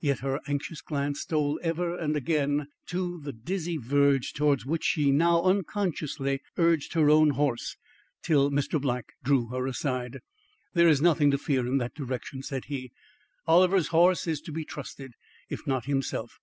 Yet her anxious glance stole ever and again to the dizzy verge towards which she now unconsciously urged her own horse till Mr. Black drew her aside. "There is nothing to fear in that direction," said he. "Oliver's horse is to be trusted, if not himself.